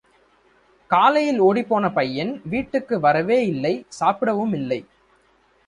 காலையில் ஒடிப்போன பையன் வீட்டுக்கு வரவேயில்லை, சாப்பிடவும் இல்லை.